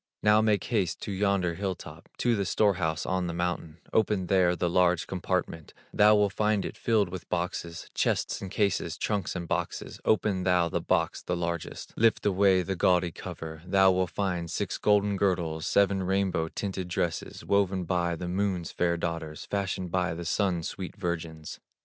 Now make haste to yonder hill top, To the store house on the mountain, Open there the large compartment, Thou will find it filled with boxes, Chests and cases, trunks and boxes; Open thou the box, the largest, Lift away the gaudy cover, Thou will find six golden girdles, Seven rainbow tinted dresses, Woven by the Moon's fair daughters, Fashioned by the Sun's sweet virgins.